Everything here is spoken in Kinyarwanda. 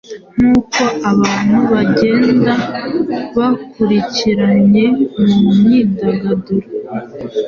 Nkuko abantu bagenda bakurikiranye mu myidagaduro,